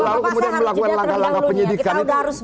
lalu kemudian melakukan langkah langkah penyidikan itu